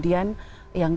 tingkat percerahan meningkat